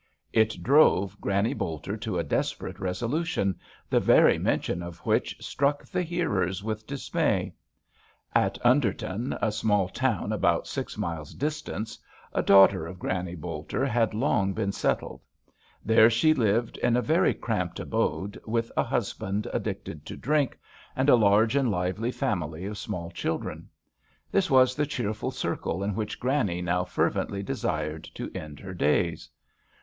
It drove Granny Bolter to a desperate resolution, the very mention of which struck the hearers with dismay. At Underton, a small town about six miles distant, a daughter of Granny Bolter 6 GRANNY BOLTER had long been setded. There she lived in a very cramped abode, with a husband addicted to drink, and a large and lively family of small children. This was the cheerful circle in which Granny now fer vently desired to end her days.